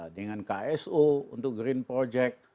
dengan kso untuk green project